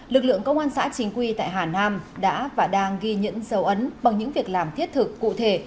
lực lượng công an xã chính quy tại hà nam đã và đang ghi nhận dấu ấn bằng những việc làm thiết thực cụ thể